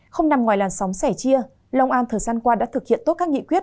không nằm ngoài làn sóng sẻ chia long an thời gian qua đã thực hiện tốt các nghị quyết